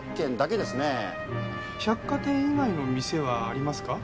百貨店以外の店はありますか？